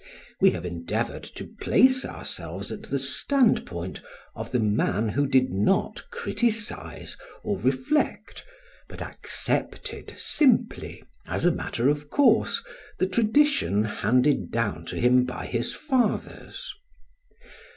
We have endeavoured to place ourselves at the standpoint of the man who did not criticise or reflect, but accepted simply, as a matter of course, the tradition handed down to him by his fathers.